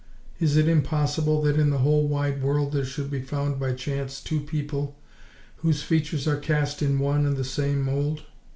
Is it impossible that in the whole wide world there should be found by chance two people whose features are cast in one and the same mould?